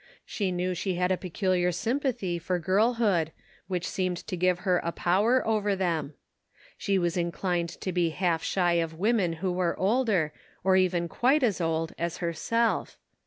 She knew she had a peculiar sympathy for girl hood, which seemed to give her a power over them. She was inclined to be half shy of women who were older, or even quite as old, as herself.